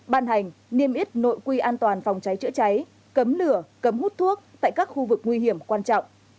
ban hành niêm yết nội quy an toàn phòng cháy chữa cháy cấm lửa cấm hút thuốc tại các khu vực nguy hiểm quan trọng